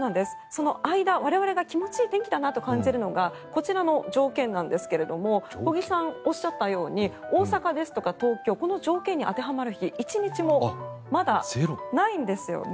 その間、我々が気持ちいい天気だなと感じるのがこちらの条件なんですけども小木さんがおっしゃったように大阪ですとか東京この条件に当てはまる日１日もまだないんですよ。